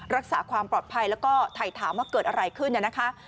รักษาความปลอดภัยแล้วก็ถ่ายถามว่าเกิดอะไรขึ้น